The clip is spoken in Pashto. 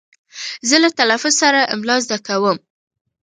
زه له تلفظ سره املا زده کوم.